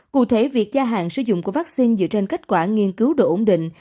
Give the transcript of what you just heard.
cụ thể việc gia hạn sử dụng của vaccine dựa trên kết quả nghiên cứu độ ổn định